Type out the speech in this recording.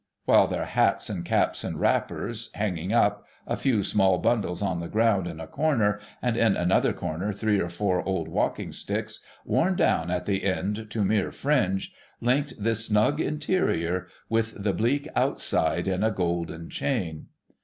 While their hats and caps and wrappers, hanging up, a few small bundles on the ground in a corner, and in another corner three or four old walking sticks, worn down at the end to mere fringe, linked this snug interior with the bleak outside in a golden chain.